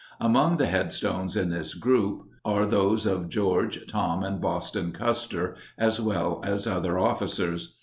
Among the headstones in this group are those of George, Tom, and Boston Custer as well as other officers.